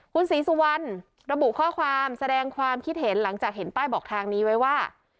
คุณศรีสุวรรณระบุข้อความแสดงความคิดเห็นหลังจากเห็นป้ายบอกทางนี้ไว้ว่า